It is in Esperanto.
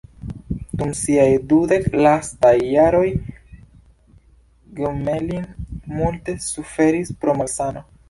Dum siaj dudek lastaj jaroj Gmelin multe suferis pro malsano.